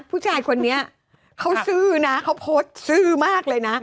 ผู้ชายคนนี้เขาซื่อนะเขาโพสต์ซื่อมากเลยนะ